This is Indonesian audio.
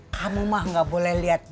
kamu mah gak boleh lihat